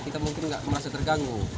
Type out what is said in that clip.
kita mungkin nggak merasa terganggu